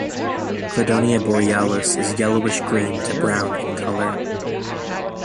Cladonia borealis is yellowish green to brown in color.